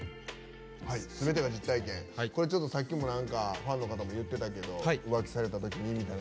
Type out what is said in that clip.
これ、ちょっとさっきもファンの方も言ってたけど浮気されたときにみたいな。